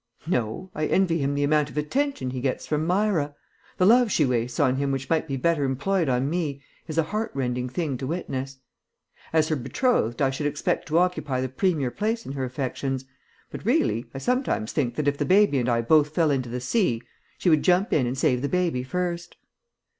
"No, I envy him the amount of attention he gets from Myra. The love she wastes on him which might be better employed on me is a heartrending thing to witness. As her betrothed I should expect to occupy the premier place in her affections, but, really, I sometimes think that if the baby and I both fell into the sea she would jump in and save the baby first."